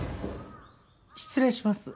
失礼します。